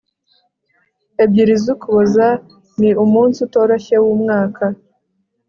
ebyiri z'ukuboza ni umunsi utoroshye wumwaka